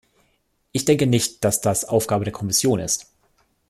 Ich denke nicht, dass das Aufgabe der Kommission ist.